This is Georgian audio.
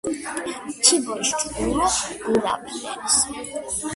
თი ბოშ ჯგურო გურაფლენს